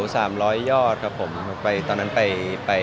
คุณเขียวผมได้รูปก่อนลงได้หรือเปล่าคุณเขียวผมได้รูปก่อนลงได้หรือเปล่า